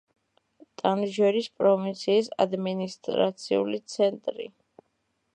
ტანჟერის პროვინციის ადმინისტრაციული ცენტრი.